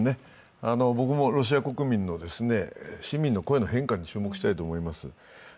僕もロシア国民の市民の声の変化に注目したいと思います。